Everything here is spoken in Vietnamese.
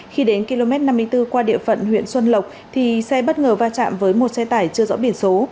khi đến km năm mươi bốn qua địa phận huyện xuân lộc thì xe bất ngờ va chạm với một xe tải chưa rõ biển số